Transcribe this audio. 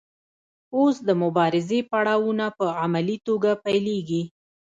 اوس د مبارزې پړاوونه په عملي توګه پیلیږي.